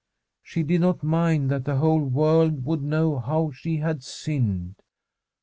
She did not mind that the whole world would know how she had sinned.